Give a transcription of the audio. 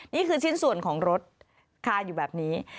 นี่คือชิ้นส่วนของรถคาอยู่แบบนี้